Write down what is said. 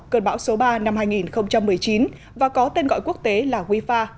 cơn bão số ba năm hai nghìn một mươi chín và có tên gọi quốc tế là wifa